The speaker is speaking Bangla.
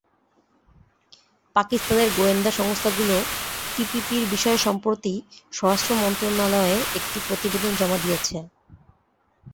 পাকিস্তানের গোয়েন্দা সংস্থাগুলো টিপিপির বিষয়ে সম্প্রতি স্বরাষ্ট্র মন্ত্রণালয়ে একটি প্রতিবেদন জমা দিয়েছে।